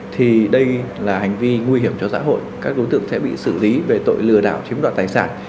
thì đây là hành vi nguy hiểm cho xã hội các đối tượng sẽ bị xử lý về tội lừa đảo chiếm đoạt tài sản